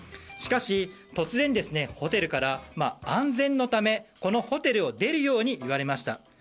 しかし、突然ホテルから安全のためこのホテルを出るように言われました。